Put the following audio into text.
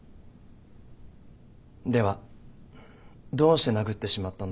ではどうして殴ってしまったんだ？